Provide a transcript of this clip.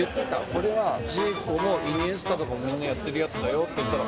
これはジーコもイニエスタとかもみんなやってるやつだよって言ったら。